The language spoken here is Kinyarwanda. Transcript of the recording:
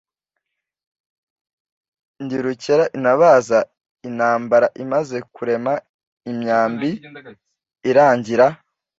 ndi rukera intabaza intambara imaze kurema imyambi irangira